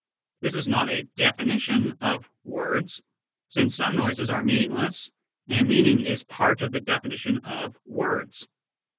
This is not a definition of " words," since some noises are mean ingless, and meaning is part of the definition of " words."